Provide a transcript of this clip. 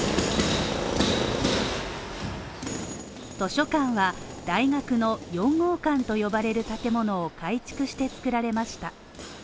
図書館は大学の４号館と呼ばれる建物を改築してつくられました。